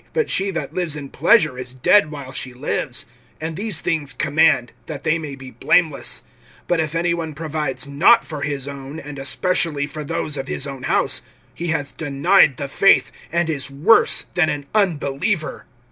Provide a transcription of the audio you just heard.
(6)But she that lives in pleasure is dead while she lives. (7)And these things command, that they may be blameless. (8)But if any one provides not for his own, and especially for those of his own house, he has denied the faith, and is worse than an unbeliever.